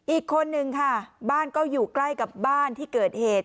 อีกคนนึงค่ะบ้านก็อยู่ใกล้กับบ้านที่เกิดเหตุ